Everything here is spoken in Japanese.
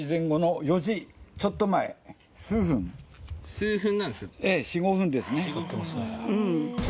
数分なんですか？